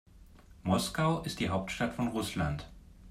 Moskau ist die Hauptstadt von Russland.